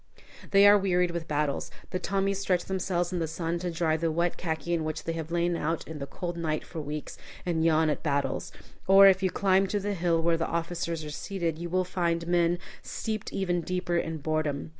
They are wearied with battles. The Tommies stretch themselves in the sun to dry the wet khaki in which they have lain out in the cold night for weeks, and yawn at battles. Or, if you climb to the hill where the officers are seated, you will find men steeped even deeper in boredom.